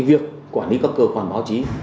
việc quản lý các cơ quan báo chí